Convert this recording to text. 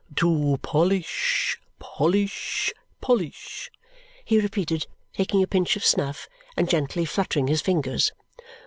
"To polish polish polish!" he repeated, taking a pinch of snuff and gently fluttering his fingers.